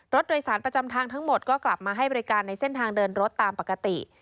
รถโดยสารประจำทางทั้งหมดก็กลับมาให้บริการในเส้นทางเดินรถตามปกติ